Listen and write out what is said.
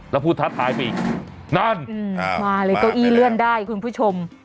แล้วพูดท้าทายไปอีกนั่นมาเลยเก้าอี้เลื่อนได้คุณผู้ชม